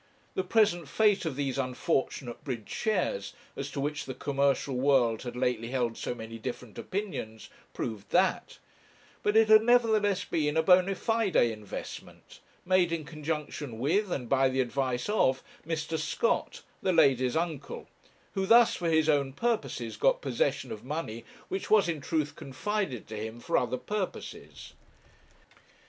The present fate of these unfortunate bridge shares, as to which the commercial world had lately held so many different opinions, proved that: but it had nevertheless been a bona fide investment, made in conjunction with, and by the advice of, Mr. Scott, the lady's uncle, who thus, for his own purposes, got possession of money which was in truth confided to him for other purposes.